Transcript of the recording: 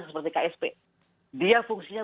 seperti ksp dia fungsinya